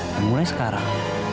dan mulai sekarang